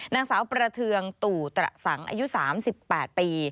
นางสาวประเทืองตู่ตระสังอายุ๓๘ปี